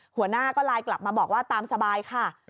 หัวหน้าก็ไลน์กลับมาบอกว่าตามสบายค่ะ